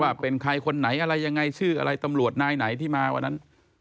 ว่าเป็นใครคนไหนอะไรยังไงชื่ออะไรตำรวจนายไหนที่มาวันนั้น